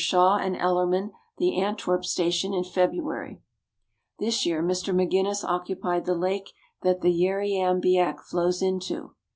Shaw and Ellerman the Antwerp Station in February. This year Mr. McGuinness occupied the lake that the Yarriam biack flows into.